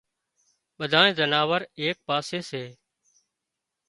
ٻڌائي زناور ايڪ پاسي سي